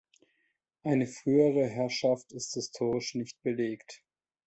Eine frühere Herrschaft ist historisch nicht belegt.